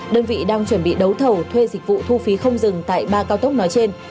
đơn vị đang chuẩn bị đấu thầu thuê dịch vụ thu phí không dừng tại ba cao tốc nói trên